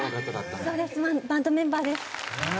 そうですバンドメンバーです。